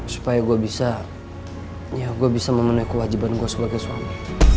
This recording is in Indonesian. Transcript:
supaya gue bisa memenuhi kewajiban gue sebagai suami